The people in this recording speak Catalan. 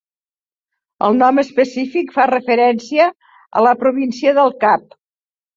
El nom específic fa referència a la Província del Cap.